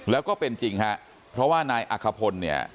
แล้วก็เป็นจริงฮะเพราะว่านายอักขพลเนี่ย